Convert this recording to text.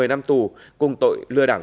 một mươi năm tù cùng tội lừa đảo